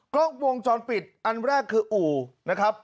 กล้องวงจรปิดอันแรกคืออู่นะครับ